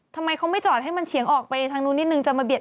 ทำไมเขาไม่จอดให้มันเฉียงออกไปทางนู้นนิดนึงจะมาเบียด